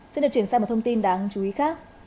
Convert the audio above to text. xin được chuyển sang một thông tin đáng chú ý khác